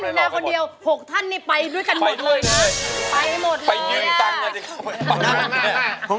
ร้องได้ให้ร้อง